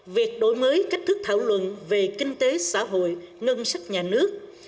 việc đổi mới cách thức thảo luận về kinh tế xã hội ngân sách nhà nước